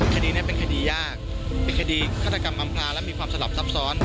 คดีนี้เป็นคดียากเป็นคดีฆาตกรรมอำพลางและมีความสลับซับซ้อน